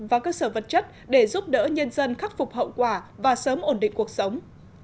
và cơ sở vật chất để giúp đỡ nhân dân khắc phục hậu quả và sớm ổn định cuộc sống